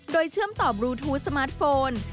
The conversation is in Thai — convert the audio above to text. โดยเชื่อมต่อบลูทูธสมาร์ทโฟน